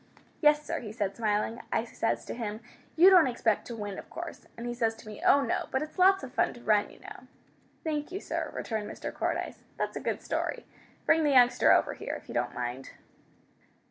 "Yes, sir," he said smiling. "I says to him, 'You don't expect to win, of course.' And he says to me, 'Oh, no, but it's lots of fun to run, you know.'" "Thank you, sir," returned Mr. Cordyce. "That's a good story. Bring the youngster over here, if you don't mind."